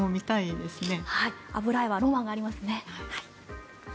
油絵はロマンがありますね。